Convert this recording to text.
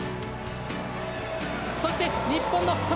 そして日本の富田